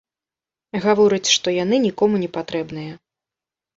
Гаворыць, што яны нікому не патрэбныя.